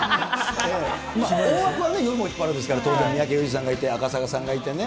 大枠は夜もヒッパレですから、三宅さんがいて赤坂さんがいてね。